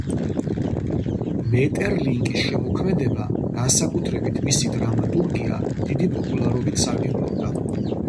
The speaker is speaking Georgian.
მეტერლინკის შემოქმედება, განსაკუთრებით მისი დრამატურგია, დიდი პოპულარობით სარგებლობდა.